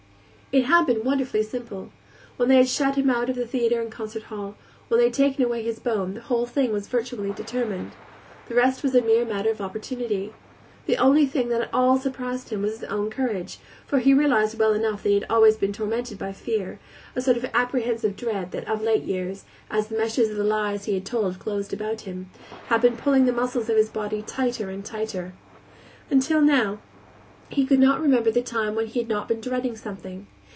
It had been wonderfully simple; when they had shut him out of the theater and concert hall, when they had taken away his bone, the whole thing was virtually determined. The rest was a mere matter of opportunity. The only thing that at all surprised him was his own courage for he realized well enough that he had always been tormented by fear, a sort of apprehensive dread that, of late years, as the meshes of the lies he had told closed about him, had been pulling the muscles of his body tighter and tighter. Until now he could not remember the time when he had not been dreading something.